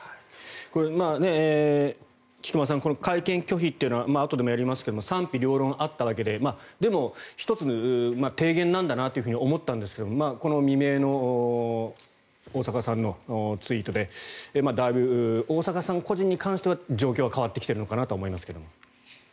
これ、菊間さん会見拒否というのはあとでもやりますけれど賛否両論があったわけで１つ提言なんだなと思ったのはこの未明の大坂さんのツイートでだいぶ、大坂さん個人に関しては状況が変わってきているのかなと思いますが。